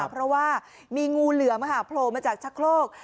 เพราะว่ามีงูเหลือมโผล่มาจากชะโครก